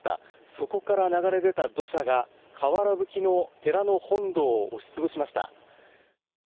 そこから流れ出た土砂がかわらぶきの寺の本堂を押し潰しました。